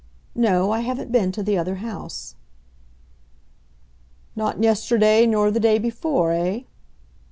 No, I haven't been to the other house." "Not yesterday, nor the day before, eh?"